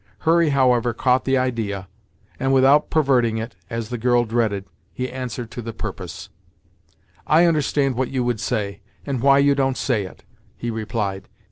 Hurry, however, caught the idea, and without perverting it, as the girl dreaded, he answered to the purpose. "I understand what you would say, and why you don't say it." he replied.